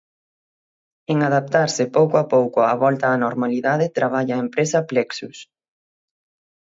En adaptarse pouco a pouco á volta á normalidade traballa a empresa Plexus.